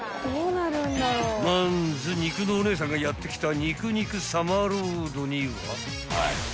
［まんず肉のお姉さんがやって来た肉肉サマーロードには］